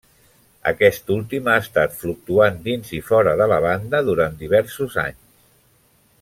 Aquest últim ha estat fluctuant dins i fora de la banda durant diversos anys.